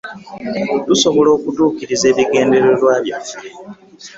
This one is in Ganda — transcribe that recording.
Tusobola okutuukiriza ebigendererwa byaffe